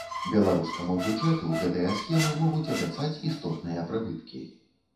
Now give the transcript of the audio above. Беларускаму бюджэту гэтыя схемы могуць абяцаць істотныя прыбыткі.